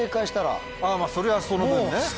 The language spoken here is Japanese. それはその分ね